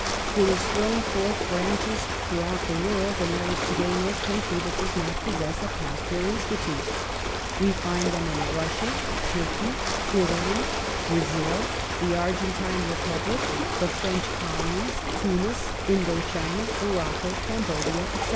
It has thrown forth branches throughout the world, and there is today no country that does not pos sess a Pasteur Institute. We find them in Rus sia, Turkey, Italy, Brazil, the Argentine Repub lic, the French colonies, Tunis, Indo China, Morocco, Cambodia, etc.